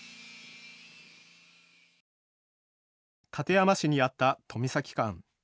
館山市にあった富崎館。